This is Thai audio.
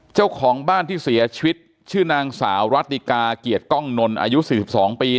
เจ้าของบ้านที่เสียชีวิตชื่อนางสาวรัติกาเกียรติกล้องนนอายุ๔๒ปี